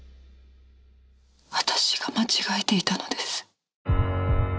私が間違えていたのです。